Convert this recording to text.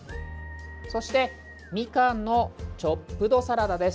そしてみかんのチョップドサラダです。